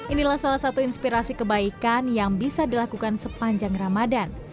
inilah salah satu inspirasi kebaikan yang bisa dilakukan sepanjang ramadan